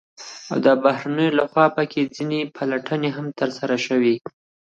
او د بهرنيانو لخوا په كې ځنې پلټنې هم ترسره شوې،